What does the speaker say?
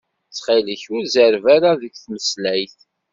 Ttxil-k, ur zerreb ara deg tmeslayt.